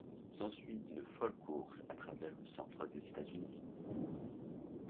S'ensuit une folle course à travers le centre des États-Unis.